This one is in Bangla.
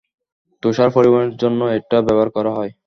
তুষার পরিবহনের জন্য এটা ব্যবহার করা হয়।